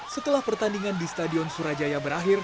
setelah pertandingan di stadion surajaya berakhir